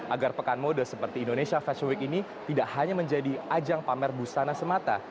agar pekan mode seperti indonesia fashion week ini tidak hanya menjadi ajang pamer busana semata